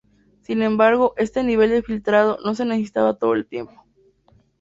Sin embargo, este nivel de filtrado no se necesita todo el tiempo.